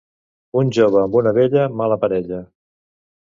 Un jove amb una vella, mala parella.